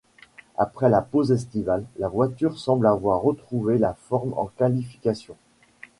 Après la pause estivale, la voiture semble avoir retrouvé la forme en qualifications.